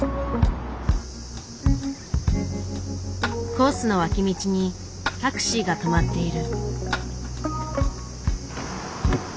コースの脇道にタクシーが止まっている。